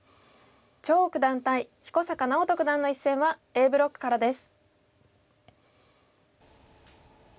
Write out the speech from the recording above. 張栩九段対彦坂直人九段の一戦はＡブロックからです。